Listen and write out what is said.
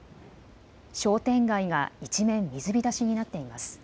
商店街が一面、水浸しになっています。